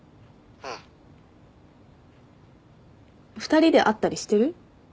２人で会ったりしてる？